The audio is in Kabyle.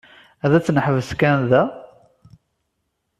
Ad tt-neḥbes kan da?